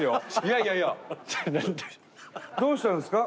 どうしたんですか？